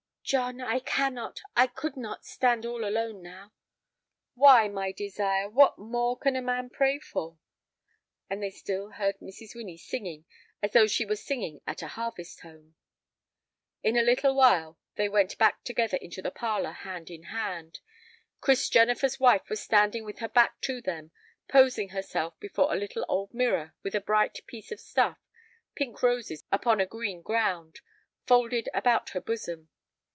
"John, I cannot, I could not, stand all alone now." "Why, my desire, what more can a man pray for!" And they still heard Mrs. Winnie singing as though she were singing at a harvest home. In a little while they went back together into the parlor hand in hand. Chris Jennifer's wife was standing with her back to them, posing herself before a little old mirror with a bright piece of stuff—pink roses upon a green ground—folded about her bosom.